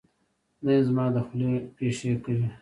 دی هم زما دخولې پېښې کوي.